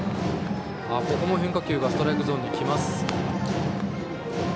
ここも変化球がストライクゾーンに来ます。